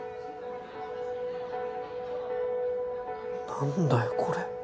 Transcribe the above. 何だよこれ